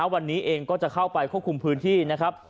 วันนี้เองก็จะเข้าไปควบคุมพื้นที่นะครับ